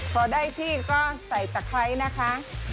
พอได้ที่ก็ใส่ตะไคร้นะคะ